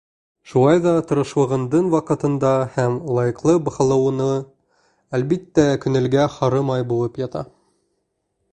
Шулай ҙа тырышлығыңдың ваҡытында һәм лайыҡлы баһаланыуы, әлбиттә, күңелгә һары май булып ята.